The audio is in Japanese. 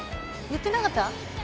言ってなかった？